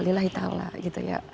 lillahi ta'ala gitu ya